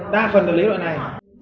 đa phần là lấy loại này